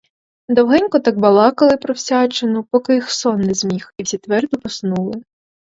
Довгенько так балакали про всячину, поки їх сон не зміг, і всі твердо поснули.